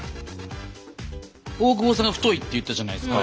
大久保さんが太いって言ったじゃないですか。